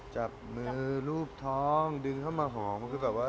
จับมือรูปท้องดึงเข้ามาหอม